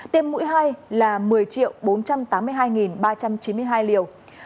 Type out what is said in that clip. tiêm mũi hai là một mươi bốn trăm tám mươi hai ba trăm chín mươi hai liều